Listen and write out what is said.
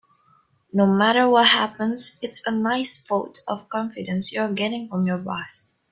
No matter what happens, it's a nice vote of confidence you're getting from your boss.